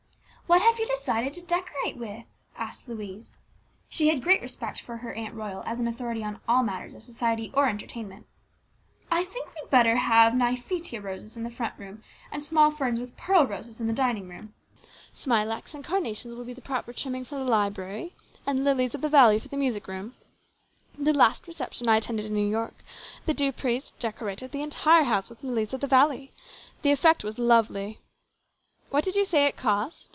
" What have you decided to decorate with ?" asked Louise. She had great respect for Aunt Royal as an authority in all matters of society or entertain PLANS GOOD AND BAD. 181 ment, and deferred to her opinion without debate or dispute. " I think we had better have Nyphetia roses in the front room, and small ferns with pearl roses in the dining room. Smilax and carnations will be the proper trimming for the library, and lilies of the valley for the music room. The last reception I attended in New York, the Dupreys decorated the entire house with lilies of the valley. The effect was lovely." " What did you say it cost